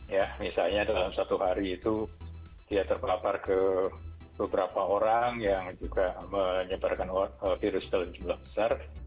ya misalnya dalam satu hari itu dia terpapar ke beberapa orang yang juga menyebarkan virus dalam jumlah besar